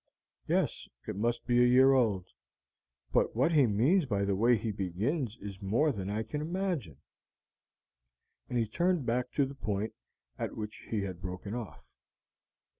"Yes, it must be a year old; but what he means by the way he begins is more than I can imagine;" and he turned back to the point at which he had broken off.